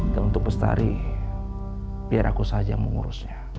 dan untuk bestari biar aku saja yang mengurusnya